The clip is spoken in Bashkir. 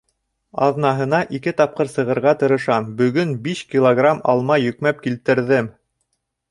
— Аҙнаһына ике тапҡыр сығырға тырышам, бөгөн биш килограмм алма йөкмәп килтерҙем.